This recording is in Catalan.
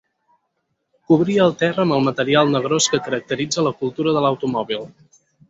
Cobrir el terra amb el material negrós que caracteritza la cultura de l'automòbil.